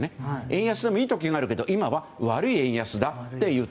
円安でも、いい時があるけど今は悪い円安だと。